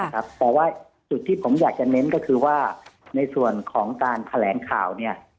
แต่ว่าจุดที่ผมอยากจะเน้นก็คือว่าในส่วนของการแถลงข่าวเนี่ย